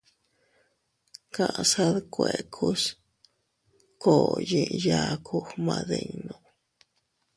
Kaʼsa dkuekus koo yiʼi yaaku gmadinnu.